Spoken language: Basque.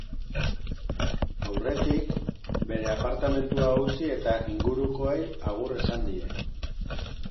Aurretik, bere apartamentua utzi eta ingurukoei agur esan die.